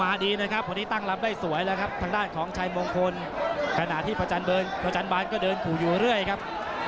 อ้าจังหวานนี้เหล่าลื่นครับ